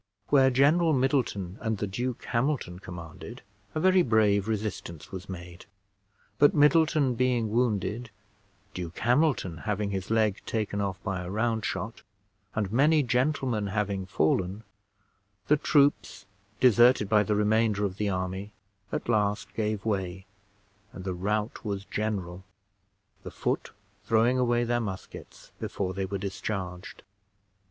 Where General Middleton and the Duke Hamilton commanded, a very brave resistance was made; but Middleton being wounded, Duke Hamilton having his leg taken off by a round shot, and many gentlemen having fallen, the troops, deserted by the remainder of the army, at last gave way, and the rout was general, the foot throwing away their muskets before they were discharged.